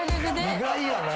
意外やな。